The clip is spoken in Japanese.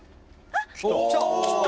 「あっ！